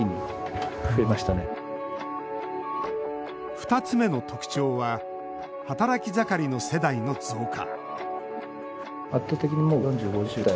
２つ目の特徴は働き盛りの世代の増加